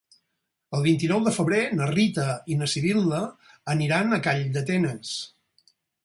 El vint-i-nou de febrer na Rita i na Sibil·la aniran a Calldetenes.